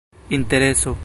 intereso